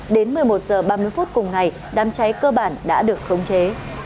đến một mươi một h ba mươi phút cùng ngày đám cháy cơ bản đã được khống chế